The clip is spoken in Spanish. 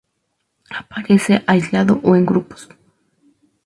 Aparece aislado o en grupos.